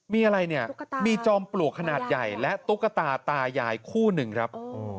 มีอะไรเนี่ยมีจอมปลวกขนาดใหญ่และตุ๊กตาตายายคู่หนึ่งครับ